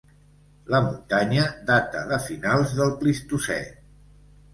La muntanya data de finals del Plistocè.